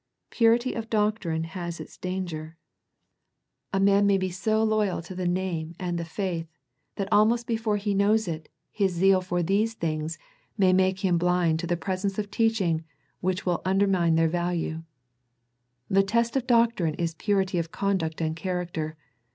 Purity of doctrine has its danger. A man may be so loyal to the The Pergamum Letter 107 name and the faith, that almost before he knows it, his zeal for these things may make him blind to the presence of teaching which will under mine their value. The test of doctrine is purity of conduct and character.